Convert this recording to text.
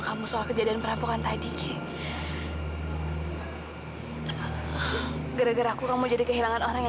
sampai jumpa di video selanjutnya